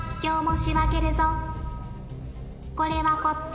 これはこっち。